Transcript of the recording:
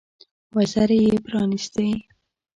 وزرې يې پرانيستې.